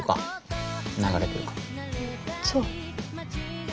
そう。